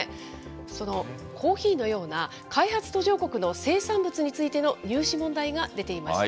そのコーヒーのような、開発途上国の生産物についての入試問題が出ていました。